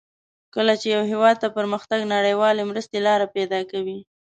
کله چې یو هېواد ته پرمختګ نړیوالې مرستې لار پیداکوي.